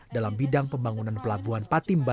dalam bidang pembangunan pelabuhan patimba